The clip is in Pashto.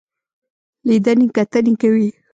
لیدنې کتنې کوي.